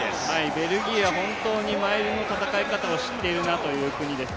ベルギーは本当にマイルの戦い方を知っているなという選手です。